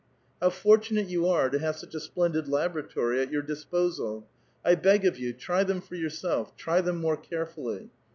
'* How fortunate you are to have such a splendid labora tory at your disposal. I beg of j'ou, try them for yourself; try them more carefully.